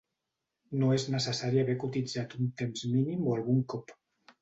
No és necessari haver cotitzat un temps mínim o algun cop.